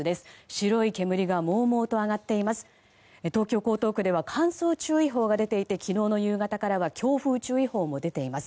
白い煙がもうもうと上がっています。